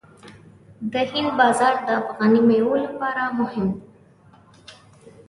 د هند بازار د افغاني میوو لپاره مهم دی.